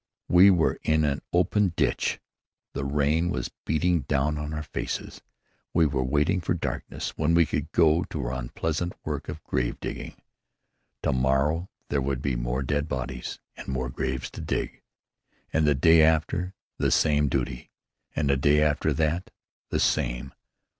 We were in an open ditch. The rain was beating down on our faces. We were waiting for darkness when we could go to our unpleasant work of grave digging. To morrow there would be more dead bodies and more graves to dig, and the day after, the same duty, and the day after that, the same.